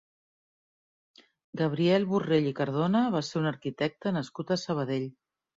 Gabriel Borrell i Cardona va ser un arquitecte nascut a Sabadell.